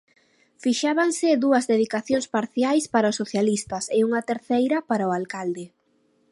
Fixábanse dúas dedicacións parciais para os socialistas e unha terceira, para o alcalde.